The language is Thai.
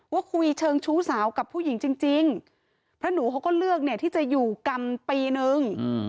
ว่าคุยเชิงชู้สาวกับผู้หญิงจริงเพราะหนูเขาก็เลือกเนี่ยที่จะอยู่กรรมปีนึง